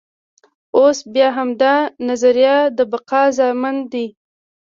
اوس بیا همدا نظریه د بقا ضامن دی.